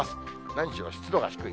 何しろ湿度が低い。